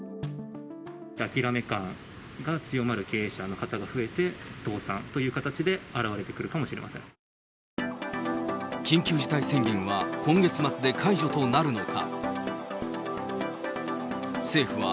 諦め感が強まる経営者の方が増えて、倒産という形で表れてく緊急事態宣言は、今月末で解除となるのか。